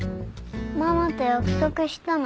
ママと約束したの。